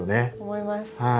思います。